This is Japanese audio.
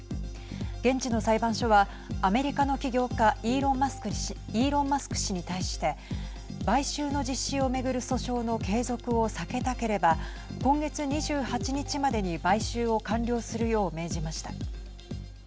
現地の裁判所はアメリカの企業家イーロン・マスク氏に対して買収の実施を巡る訴訟の継続を避けたければ今月２８日までに買収を完了するよう命じました。